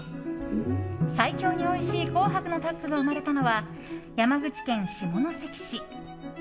最強においしい紅白のタッグが生まれたのは山口県下関市。